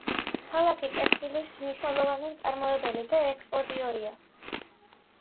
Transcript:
ქალაქი ტექსტილის მნიშვნელოვანი მწარმოებელი და ექსპორტიორია.